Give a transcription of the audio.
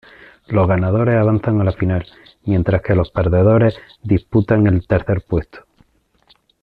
Los ganadores avanzan a la final, mientras que los perdedores disputan el tercer puesto.